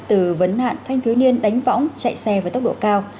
từ vấn nạn thanh thiếu niên đánh võng chạy xe với tốc độ cao